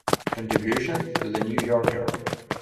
Contributions to "The New Yorker"